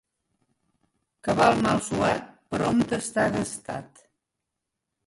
Cabal mal suat prompte està gastat.